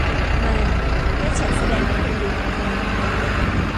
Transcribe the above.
มา ให้ฉันแสดงให้คุณดูอีกครั้ง